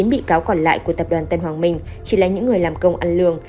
chín bị cáo còn lại của tập đoàn tân hoàng minh chỉ là những người làm công ăn lương